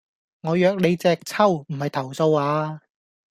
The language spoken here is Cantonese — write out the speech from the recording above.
我約你隻揪,唔係投訴呀